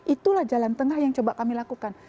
itulah jalan tengah yang coba kami lakukan